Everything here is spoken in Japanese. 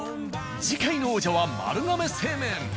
次回の王者は「丸亀製麺」。